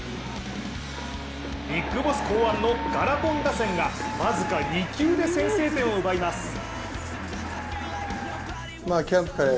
ビッグボス考案のガラポン打線がわずか２球で先制点を奪います。